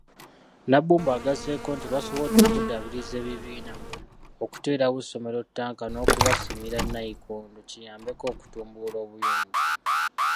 Nabbumba agasseeko nti basobodde okuddaabiriza ebibiina, okuteerawo essomero ttanka n'okubasimira Nayikondo kiyambeko okutumbula obuyonjo.